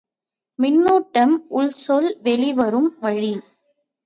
மின்னோட்டம் உள்செல்லும் வெளிவரும் வழி.